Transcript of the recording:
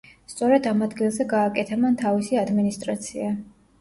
სწორედ ამ ადგილზე გააკეთა მან თავისი ადმინისტრაცია.